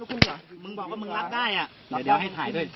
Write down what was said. นี้ก็แหว่ะมึงบอกว่ามึงลอบได้อ่ะเดี๋ยวแล้วให้ถ่ายด้วย